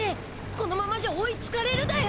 このままじゃ追いつかれるだよ。